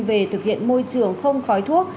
về thực hiện môi trường không khói thuốc